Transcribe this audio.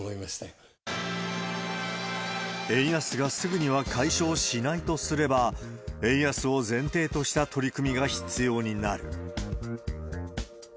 円安がすぐには解消しないとすれば、円安を前提とした取り組みが必要になる。